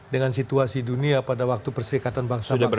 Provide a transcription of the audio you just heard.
dengan situasi dunia pada waktu perserikatan bangsa bangsa